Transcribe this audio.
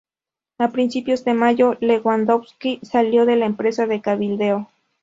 A principios de mayo, Lewandowski salió de la empresa de cabildeo.